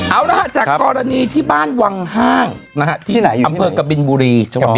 เอานะฮะจากกรณีที่บ้านวังห้างนะฮะที่ไหนอยู่ที่